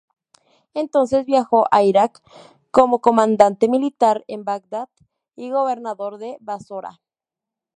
Entonces viajó a Iraq como Comandante Militar en Bagdad y Gobernador de Basora.